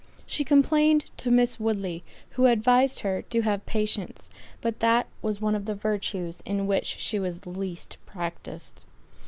She complained to Miss Woodley, who advised her to have patience; but that was one of the virtues in which she was the least practised.